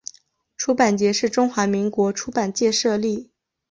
出版节是中华民国出版界设立。